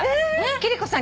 「貴理子さん